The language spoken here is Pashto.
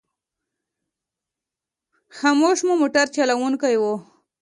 خاموش مو موټر چلوونکی و.